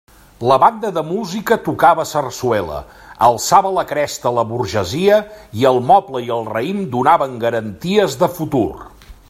La banda de música tocava sarsuela, alçava la cresta la burgesia i el moble i el raïm donaven garanties de futur.